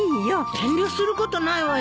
遠慮することないわよ。